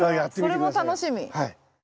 それも楽しみ。